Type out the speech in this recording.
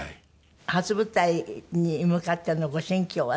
初舞台に向かってのご心境はどんな？